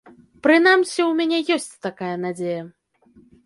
Прынамсі, у мяне ёсць такая надзея.